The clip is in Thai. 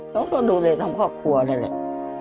เขาก็ต้องดูเร็จทำครอบครัวเลย